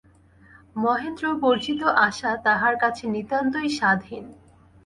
মহেন্দ্রবর্জিত আশা তাহার কাছে নিতান্তই স্বাদহীন।